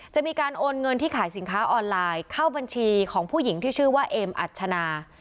มีการโอนเงินที่ขายสินค้าออนไลน์เข้าบัญชีของผู้หญิงที่ชื่อว่าเอมอัชนา